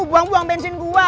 buang buang bensin gue